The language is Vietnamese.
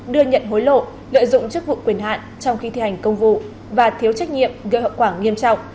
đưa nhận hối lộ lợi dụng chức vụ quyền hạn trong khi thi hành công vụ và thiếu trách nhiệm gây hậu quả nghiêm trọng